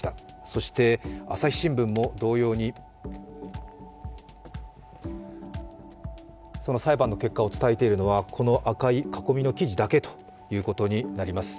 そして「朝日新聞」も同様に裁判の結果を伝えているのはこの赤い囲みの記事だけということになります